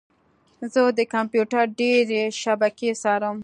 زه د کمپیوټر ډیرې شبکې څارم.